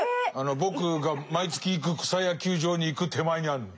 僕が毎月行く草野球場に行く手前にあるの。